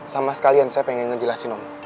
sama sekalian saya pengen ngejelasin om